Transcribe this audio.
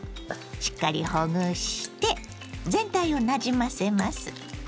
しっかりほぐして全体をなじませます。